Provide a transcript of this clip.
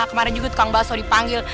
kemaren juga tukang baso dipanggil